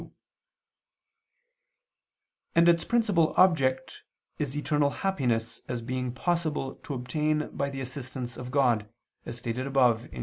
2): and its principal object is eternal happiness as being possible to obtain by the assistance of God, as stated above (Q.